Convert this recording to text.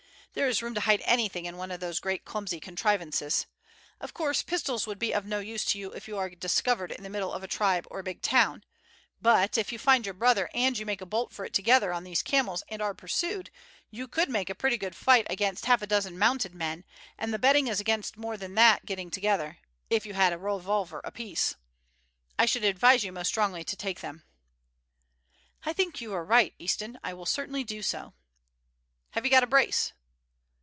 There is room to hide anything in one of these great clumsy contrivances. Of course pistols would be of no use to you if you are discovered in the middle of a tribe or a big town; but if you find your brother, and you make a bolt for it together on these camels and are pursued, you could make a pretty good fight against half a dozen mounted men, and the betting is against more than that getting together, if you had a revolver apiece. I should advise you most strongly to take them." "I think you are right, Easton: I will certainly do so." "Have you got a brace?"